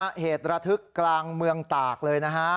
เหตุระทึกกลางเมืองตากเลยนะฮะ